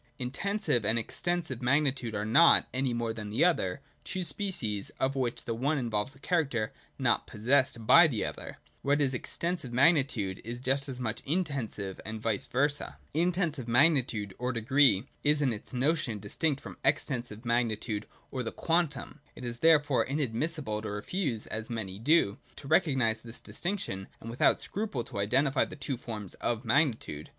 Intensive and Extensive magnitude are not, any more than the other, two species, of which the one involves a character not possessed by the other : what is Extensive magnitude is just as much Intensive, and vice versa. I03.J INTENSIVE AND EXTENSIVE QUANTITY. 193 Intensive magnitude or Degree is in its notion distinct from Extensive magnitude or the Quantum. It is therefore inadmissible to refuse, as many do, to recognise this dis tinction, and without scruple to identify the two forms of magnitude.